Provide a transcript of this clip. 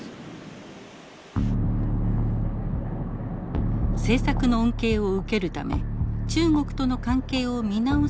政策の恩恵を受けるため中国との関係を見直す企業も現れています。